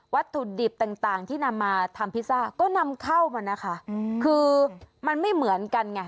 วัตถุดิบต่างที่นำมาทำพิซซ่าก็นำเข้ามานะคะคือมันไม่เหมือนกันไง